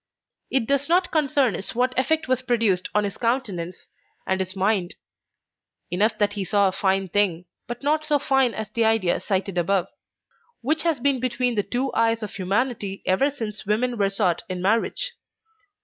It does not concern us what effect was produced on his countenance and his mind; enough that he saw a fine thing, but not so fine as the idea cited above; which has been between the two eyes of humanity ever since women were sought in marriage.